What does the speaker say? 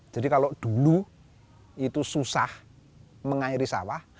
jadi kalau dulu itu susah mengairi sawah